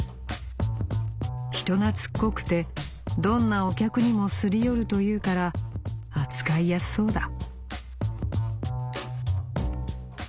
人懐っこくてどんなお客にもすり寄るというから扱いやすそうだ」。